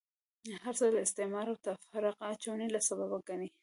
هرڅه له استعماره او تفرقه اچونې له سببه ګڼي.